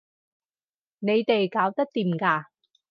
你哋搞得掂㗎